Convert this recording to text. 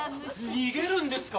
逃げるんですか！？